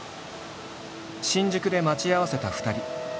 新宿で待ち合わせた２人。